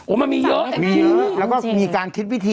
โอ้มันมีเยอะแน่นดี